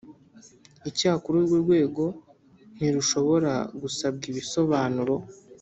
Icyakora urwo rwego ntirushobora gusabwa ibisobanuro